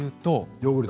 ヨーグルト。